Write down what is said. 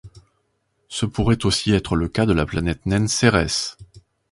Ce pourrait aussi être le cas de la planète naine Cérès.